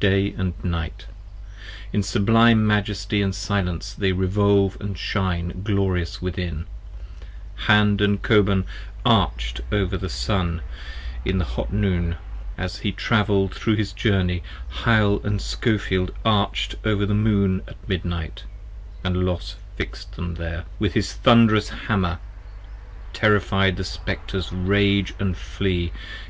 Day & night, in sublime majesty & silence they revolve And shine glorious within: Hand & Koban arch'd over the Sun 30 In the hot noon, as he travel'd thro his journey : Hyle & Skofield Arch'd over the Moon at midnight, & Los fix'd them there, With his thunderous Hammer: terrified the Spectres rage & flee.